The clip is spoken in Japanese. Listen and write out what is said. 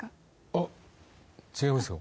あっ違いますよ